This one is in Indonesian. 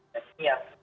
dan ini ya